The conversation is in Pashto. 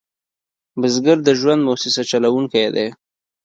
بزګر د ژوند موسسه چلوونکی دی